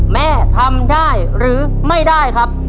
แม่ทำได้หรือไม่ได้ครับ